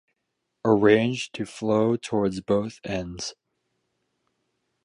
Arranged to flow towards both ends.